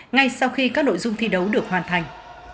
ngay sau khi các nội dung thi đấu được hoàn thành